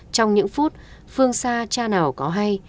trong những phút phương xa cha nào có hay